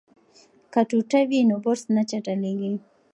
که ټوټه وي نو برس نه چټلیږي.